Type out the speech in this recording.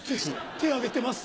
手挙げてます